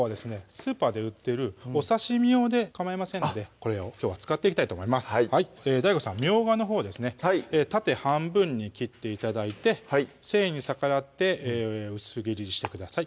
スーパーで売ってるお刺身用でかまいませんのでこれをきょうは使っていきたいと思いますＤＡＩＧＯさんみょうがのほうを縦半分に切って頂いて繊維に逆らって薄切りにしてください